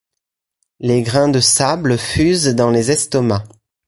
Les grains de sables fusent dans les estomacs.